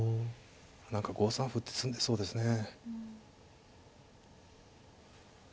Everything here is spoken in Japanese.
何か５三歩打って詰んでそうですね。